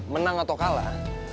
menang atau kalah